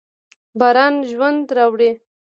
باران ژوند راوړي.